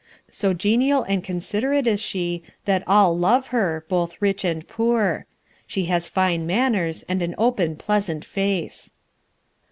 So genial and considerate is she that all love her, both rich and poor. She has fine manners and an open, pleasant face.